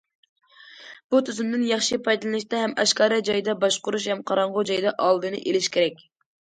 بۇ تۈزۈمدىن ياخشى پايدىلىنىشتا ھەم ئاشكارا جايدا باشقۇرۇش، ھەم قاراڭغۇ جايدا ئالدىنى ئېلىش كېرەك.